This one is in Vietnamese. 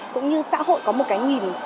cũng như xã hội có một cái nhìn